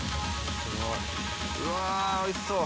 うわおいしそう。